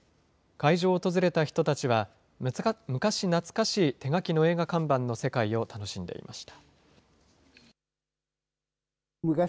会場を訪れた人たちは、昔懐かしい手描きの映画看板の世界を楽しんでいました。